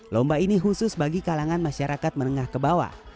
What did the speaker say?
lomba ini khusus bagi kalangan masyarakat menengah ke bawah